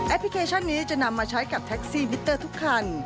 พลิเคชันนี้จะนำมาใช้กับแท็กซี่มิเตอร์ทุกคัน